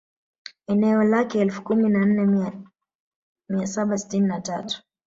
Eneo lake elfu kumi na nne mia saba sitini na tatu